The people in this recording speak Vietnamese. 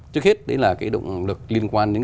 trước hết đấy là động lực liên quan đến